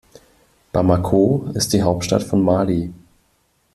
Bamako ist die Hauptstadt von Mali.